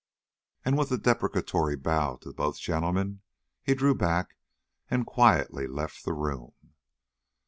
And with a deprecatory bow to both gentlemen, he drew back and quietly left the room.